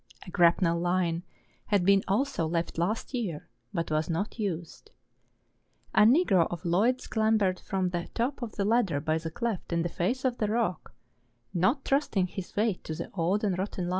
A grapnel line had been also left last year, but was not used. A Negro of Lloyd's clambered from the top of the ladder by the cleft in the face of the rock, not trusting his weight to the old and rotten line.